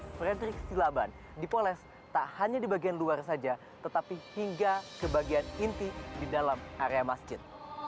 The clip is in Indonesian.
frederick silaban dipoles tak hanya di bagian luar saja tetapi hingga ke bagian inti di dalam area masjid